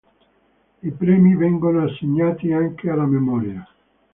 I premi vengono assegnati anche alla memoria.